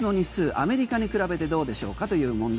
アメリカに比べてどうでしょうかという問題。